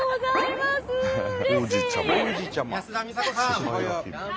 ・安田美沙子さん！